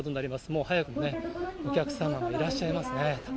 もう早くもお客さんがいらっしゃいますね。